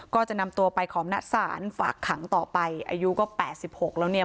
ก็จะนำตัวไปขอบหน้าสารฝากขังต่อไปอายุก็๘๖แล้ว